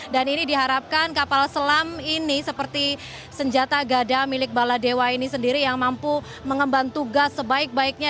dan ini diharapkan kapal selam ini seperti senjata gada milik baladewa ini sendiri yang mampu mengembang tugas sebaik baiknya